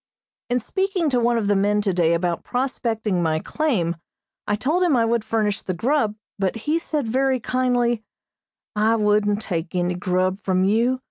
In speaking to one of the men today about prospecting my claim, I told him I would furnish the grub, but he said very kindly, "I wouldn't take any grub from you.